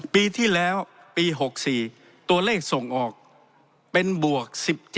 ปีที่แล้วปี๖๔ตัวเลขส่งออกเป็นบวก๑๗